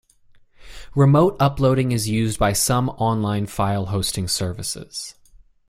Remote uploading is used by some online file hosting services.